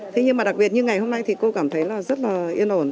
thế nhưng mà đặc biệt như ngày hôm nay thì cô cảm thấy là rất là yên ổn